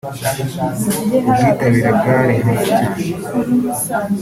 ubwitabire bwari hasi cyane